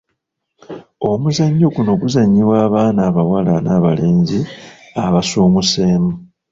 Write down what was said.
Omuzannyo guno guzannyiwa abaana abawala n'abalenzi abasuumuseemu.